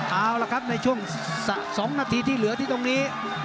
เอาล่ะครับในช่วง๒นาทีที่เหลือที่ตรงนี้